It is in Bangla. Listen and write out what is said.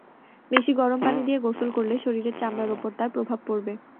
বেশি গরম পানি দিয়ে গোসল করলে শরীরের চামড়ার ওপর তার প্রভাব পড়বে।